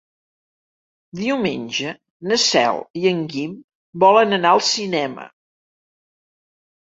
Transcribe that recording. Diumenge na Cel i en Guim volen anar al cinema.